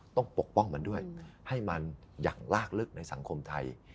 ปกป้องมันด้วยให้มันอย่างลากลึกในสังคมไทย